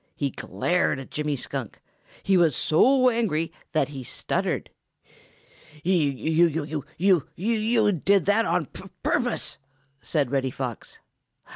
He glared at Jimmy Skunk. He was so angry that he stuttered. "Y y you, y y y you, y y y you did that on p p purpose," said Reddy Fox.